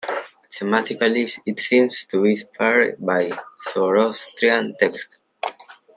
Thematically, it seems to be inspired by Zoroastrian texts.